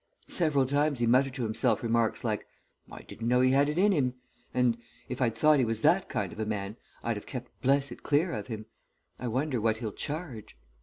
Several times he muttered to himself remarks like, 'I didn't know he had it in him,' and '_If I'd thought he was that kind of a man I'd have kept blessed clear of him. I wonder what he'll charge.